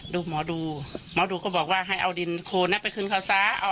ดูหมอดูหมอดูก็บอกว่าให้เอาดินโคนนั้นไปขึ้นเขาซะ